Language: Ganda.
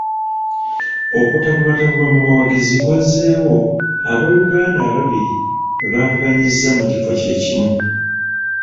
Okutabulwatabulwa mu bawagizi kwazzeewo ab'oluganda ababiri bwe baavuganyizza ku kifo kye kimu.